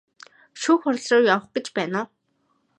Шүүх хуралруу явах гэж байна уу?